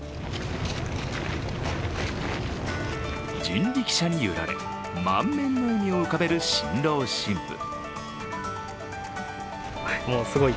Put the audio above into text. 人力車に揺られ満面の笑みを浮かべる新郎新婦。